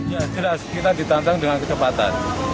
ya jelas kita ditantang dengan kecepatan